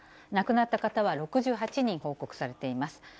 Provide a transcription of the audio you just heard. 亡くなった方は６８人報告されています。